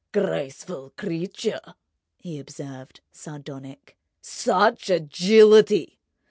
"Graceful creature!" he observed, sardonic. "Such agility!